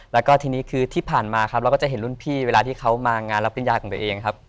แล้วก็ทีนี้คือที่ผ่านมาครับเราก็จะเห็นรุ่นพี่เวลาที่เขามางานรับปริญญาของตัวเองครับ